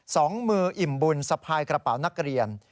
สองมืออิ่มบุญสะพายกระเป๋านักเรียน